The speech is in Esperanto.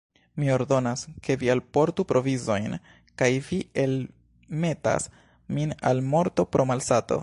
Mi ordonas, ke vi alportu provizojn, kaj vi elmetas min al morto pro malsato!